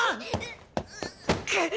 くっ！